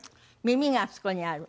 耳があそこにある。